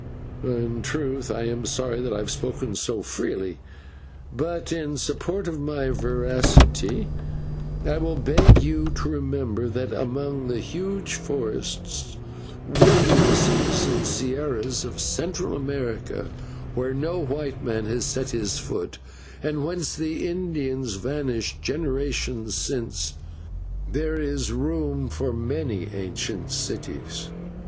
"In truth I am sorry that I have spoken so freely, but, in support of my veracity, I will beg you to remember that among the huge forests, wildernesses, and /sierras/ of Central America, where no white man has set his foot, and whence the Indians vanished generations since, there is room for many ancient cities.